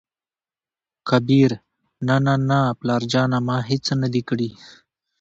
کبير : نه نه نه پلاره جانه ! ما هېڅ نه دى کړي.